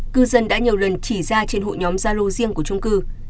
cư dân đã nhiều lần chỉ ra trên hội nhóm gia lô riêng của trung cư